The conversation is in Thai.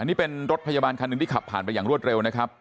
นี่เป็นรถพยาบาลคันหนึ่งที่ขับผ่านไปอย่างรวดเร็วนะครับ